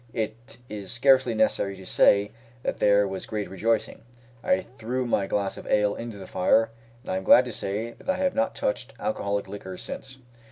It is scarcely necessary to say that there was great rejoicing. I threw my glass of ale into the fire, and I am glad to say that I have not touched alcoholic liquors since.